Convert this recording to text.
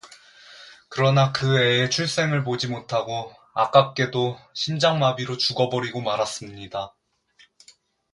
그러나 그 애의 출생을 보지 못하고 아깝게도 심장마비로 죽어 버리고 말았습니다.